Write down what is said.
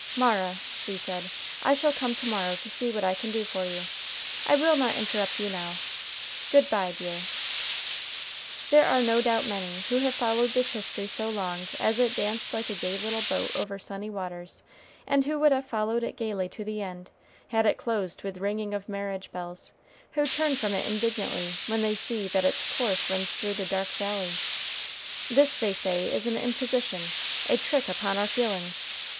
"Mara," she said, "I shall come to morrow to see what I can do for you. I will not interrupt you now. Good by, dear." There are no doubt many, who have followed this history so long as it danced like a gay little boat over sunny waters, and who would have followed it gayly to the end, had it closed with ringing of marriage bells, who turn from it indignantly, when they see that its course runs through the dark valley. This, they say, is an imposition, a trick upon our feelings.